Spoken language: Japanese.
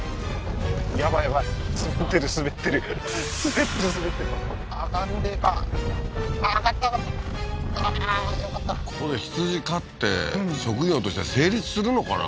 滑ってる滑ってるここで羊飼って職業として成立するのかな？